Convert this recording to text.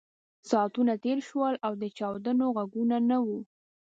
ساعتونه تېر شول او د چاودنو غږونه نه وو